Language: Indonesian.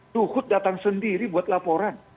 luhut datang sendiri buat laporan